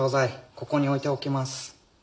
ここに置いておきます。